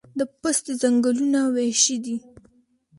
د پستې ځنګلونه وحشي دي؟